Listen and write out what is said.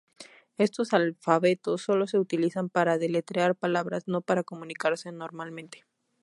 Estos alfabetos sólo se utilizan para deletrear palabras, no para comunicarse normalmente.